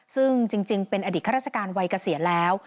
ซึ่งจริงเป็นอดีตข้าราชการวัยเกษียณแล้ว